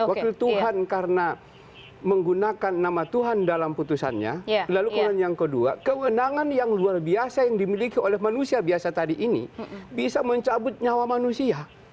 wakil tuhan karena menggunakan nama tuhan dalam putusannya lalu kewenangan yang kedua kewenangan yang luar biasa yang dimiliki oleh manusia biasa tadi ini bisa mencabut nyawa manusia